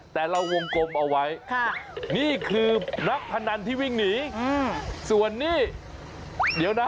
แต่เราวงกลมเอาไว้นี่คือนักพนันที่วิ่งหนีส่วนนี้เดี๋ยวนะ